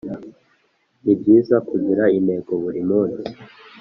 nibyiza kugira intego buri munsi,